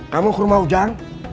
kamu ke rumah ujang